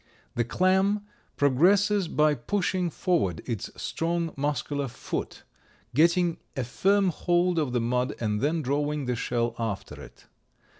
The clam progresses by pushing forward its strong, muscular foot, getting a firm hold of the mud and then drawing the shell after it.